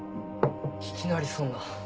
いきなりそんな。